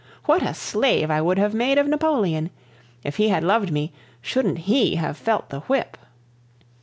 What a slave I would have made of Napoleon! If he had loved me, shouldn't he have felt the whip!